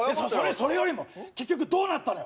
それよりも結局どうなったのよ